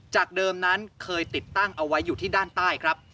เดิมนั้นเคยติดตั้งเอาไว้อยู่ที่ด้านใต้ครับ